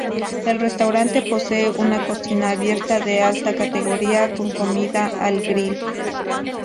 El restaurante posee una cocina abierta de alta categoría con comida al grill.